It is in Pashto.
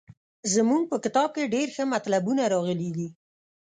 زموږ په کتاب کې ډېر ښه مطلبونه راغلي دي.